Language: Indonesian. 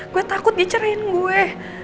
gue takut dicerain gue